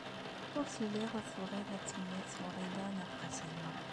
Ur telliḍ tebɣiḍ ad temmet Wrida n At Qasi Muḥ.